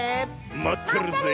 まってるぜえ。